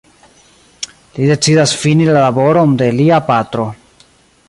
Li decidas fini la laboron de lia patro.